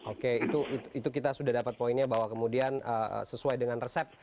oke itu kita sudah dapat poinnya bahwa kemudian sesuai dengan resep